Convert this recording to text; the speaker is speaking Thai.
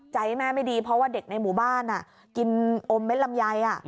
ใจแม่ไม่ดีเพราะว่าเด็กในหมู่บ้านกินอมเด็ดลำไย